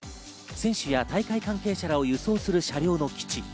選手や大会関係者らを輸送する車両の基地。